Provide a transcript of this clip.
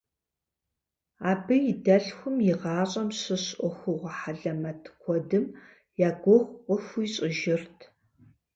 Абы и дэлъхум и гъащӏэм щыщ ӏуэхугъуэ хьэлэмэт куэдым я гугъу къыхуищӏыжырт.